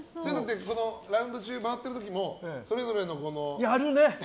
ラウンド中回っている時もそれぞれの。